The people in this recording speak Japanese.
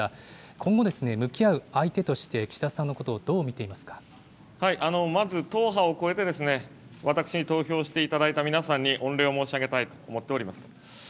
今後、向き合う相手として、岸田まず党派を超えて、私に投票していただいた皆さんに御礼を申し上げたいと思っております。